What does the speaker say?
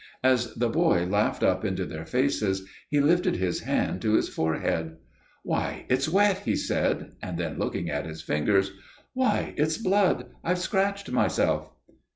As the boy laughed up into their faces, he lifted his hand to his forehead. "'Why it's wet,' he said, and then, looking at his fingers: 'Why, it's blood! I've scratched myself.